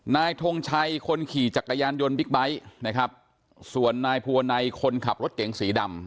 ทงชัยคนขี่จักรยานยนต์บิ๊กไบท์นะครับส่วนนายภูวนัยคนขับรถเก๋งสีดำ